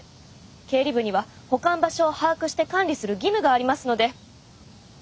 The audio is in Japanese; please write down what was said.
経理部には保管場所を把握して管理する義務がありますので。